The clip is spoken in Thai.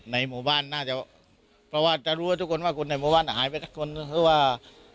ในหมู่บ้านน่าจะเพราะว่าจะรู้ว่าทุกคนว่าคนในหมู่บ้านหายไปสักคนก็คือว่า